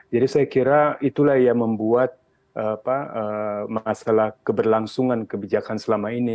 saya kira itulah yang membuat masalah keberlangsungan kebijakan selama ini